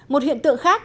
một hiện tượng khác